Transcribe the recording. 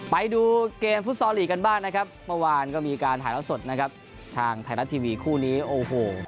ไปดูเกมฟุตซอลลีกกันบ้างนะครับเมื่อวานก็มีการถ่ายแล้วสดนะครับทางไทยรัฐทีวีคู่นี้โอ้โห